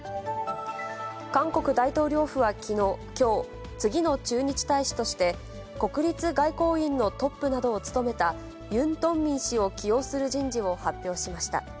韓国大統領府はきょう、次の駐日大使として、国立外交院のトップなどを務めたユン・ドンミン氏を起用する人事を発表しました。